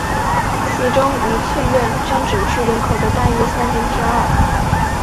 其中愉翠苑占整区人口的大约三分之二。